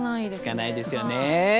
つかないですよね！